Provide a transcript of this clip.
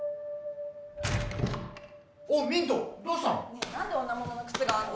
ねえなんで女物の靴があるの？